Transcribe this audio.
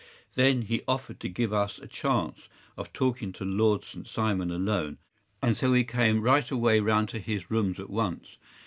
Then he offered to give us a chance of talking to Lord St. Simon alone, and so we came right away round to his rooms at once.